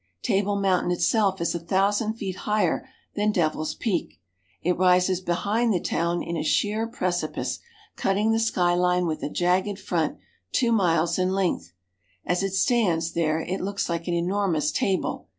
Table Mountain itself is a thousand feet higher than Devil's Peak. It rises behind the town in a sheer precipice, cutting the sky line with a jagged front two miles in length. As it stands there it looks like an enormous table.